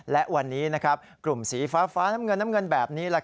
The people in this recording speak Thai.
และวันนี้กลุ่มสีฟ้าน้ำเงินน้ำเงินแบบนี้